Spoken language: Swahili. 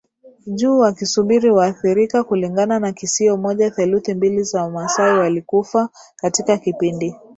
juu wakisubiri waathirika Kulingana na kisio moja theluthi mbili za Wamaasai walikufa katika kipindi